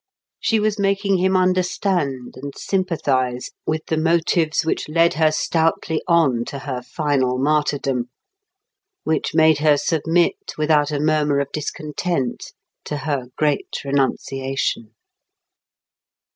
She was making him understand and sympathise with the motives which led her stoutly on to her final martyrdom, which made her submit without a murmur of discontent to her great renunciation.